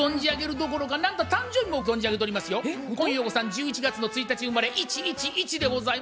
１１月の１日生まれ「１１１」でござい。